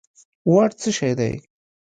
واټ څه شی دي